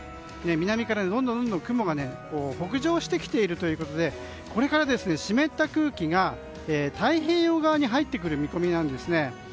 南からどんどん雲が北上してきているということでこれから湿った空気が太平洋側に入ってくる見込みなんですね。